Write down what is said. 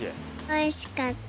おいしかった？